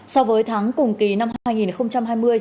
so với tháng cùng kỳ năm hai nghìn hai mươi